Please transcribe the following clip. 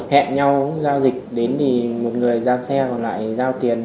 hẹn nhau giao dịch đến thì một người ra xe còn lại giao tiền